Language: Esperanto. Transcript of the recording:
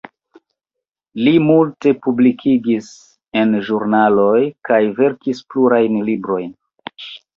Li multe publikigis en ĵurnaloj, kaj verkis plurajn librojn.